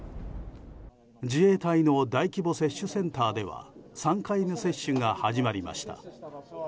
自衛隊の大規模接種センターでは３回目接種が始まりました。